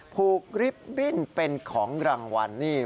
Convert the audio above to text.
พูกลิฟต์บิ้นเป็นของรางวัลนี่